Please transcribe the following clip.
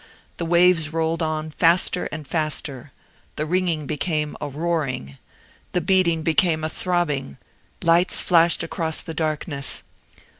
The waves rolled on faster and faster. The ringing became a roaring. The beating became a throbbing. Lights flashed across the darkness.